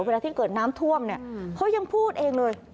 เวลาที่เกิดน้ำท่วมเนี่ยเขายังพูดเองเลย